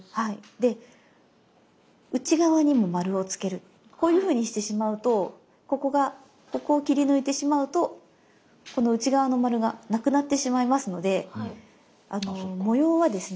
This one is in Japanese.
で内側にも丸をつけるこういうふうにしてしまうとここがここを切り抜いてしまうとこの内側の丸がなくなってしまいますので模様はですね